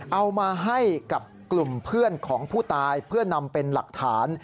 เอามาให้กับกลุ่มเพื่อนของผู้ตายเพื่อนำเป็นหลักฐาน